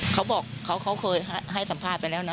เขาบอกเขาเคยให้สัมภาษณ์ไปแล้วนะ